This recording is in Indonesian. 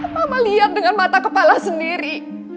mama lihat dengan mata kepala sendiri